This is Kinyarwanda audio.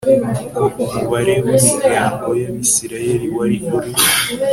uko umubare w'imiryango y abisirayeli wari uri